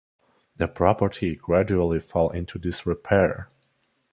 The property gradually fell into disrepair.